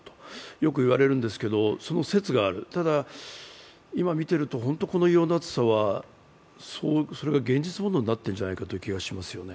よく来割れるんですけどその説がある、ただ今見ていると、本当にこの異様な暑さは、それが現実のものになってるんじゃないかという気がします。